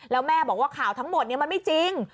แล้วแม่บอกว่าข่าวทั้งหมดมันไม่จริง